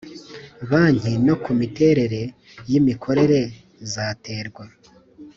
banki no ku miterere y imikorere zaterwa